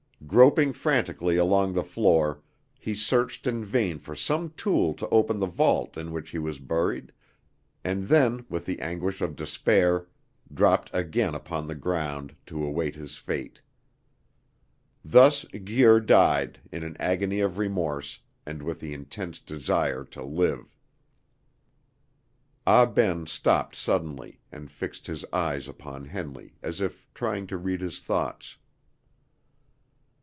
Groping frantically along the floor, he searched in vain for some tool to open the vault in which he was buried, and then, with the anguish of despair, dropped again upon the ground to await his fate. Thus Guir died, in an agony of remorse, and with the intensest desire to live." Ah Ben stopped suddenly, and fixed his eyes upon Henley, as if trying to read his thoughts.